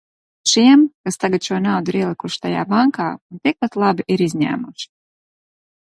Šiem, kas tagad šo naudu ir ielikuši tajā bankā un tikpat labi ir izņēmuši.